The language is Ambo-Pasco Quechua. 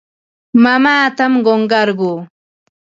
Mamaatam qunqarquu.